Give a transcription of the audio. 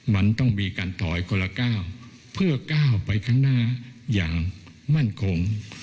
มันต้องมีการถอยคนละก้าวเพื่อก้าวไปข้างหน้าอย่างมั่นคง